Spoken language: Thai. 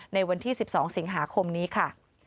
ในวันที่๑๒สิงหาคมนี้ค่ะ